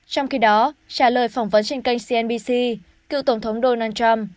trong khi đó trả lời phỏng vấn trên kênh cnbc cựu tổng thống donald trump